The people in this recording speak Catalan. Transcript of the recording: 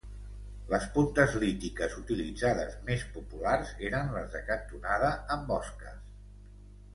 Les puntes lítiques utilitzades més populars eren les de cantonada amb osques.